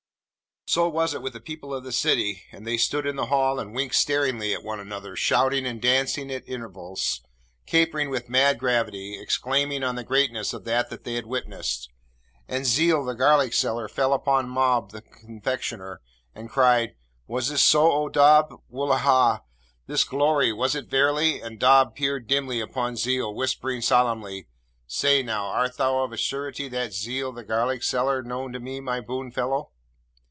So was it with the people of the City, and they stood in the Hall and winked staringly at one another, shouting and dancing at intervals, capering with mad gravity, exclaiming on the greatness of that they had witnessed. And Zeel the garlic seller fell upon Mob the confectioner, and cried, 'Was this so, O Dob? Wullahy! this glory, was it verily?' And Dob peered dimly upon Zeel, whispering solemnly, 'Say, now, art thou of a surety that Zeel the garlic seller known to me, my boon fellow?'